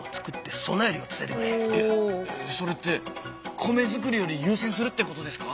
それって米作りより優先するってことですか？